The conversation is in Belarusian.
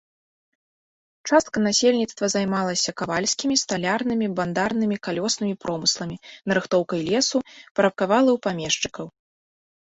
Частка насельніцтва займалася кавальскімі, сталярнымі, бандарнымі, калёснымі промысламі, нарыхтоўкай лесу, парабкавала ў памешчыкаў.